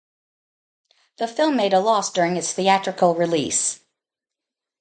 The film made a loss during its theatrical release.